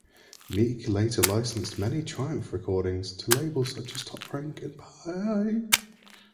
Meek later licensed many Triumph recordings to labels such as Top Rank and Pye.